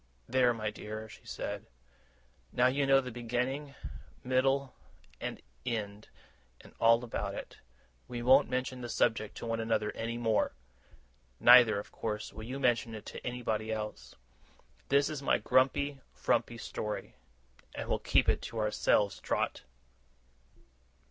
'There, my dear!' she said. 'Now you know the beginning, middle, and end, and all about it. We won't mention the subject to one another any more; neither, of course, will you mention it to anybody else. This is my grumpy, frumpy story, and we'll keep it to ourselves, Trot!